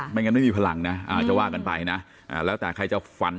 งั้นไม่มีพลังนะจะว่ากันไปนะแล้วแต่ใครจะฝัน